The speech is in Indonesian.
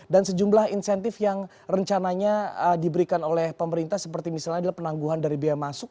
dan sejumlah insentif yang rencananya diberikan oleh pemerintah seperti misalnya penangguhan dari biaya masuk